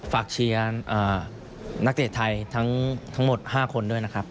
เชียร์นักเตะไทยทั้งหมด๕คนด้วยนะครับ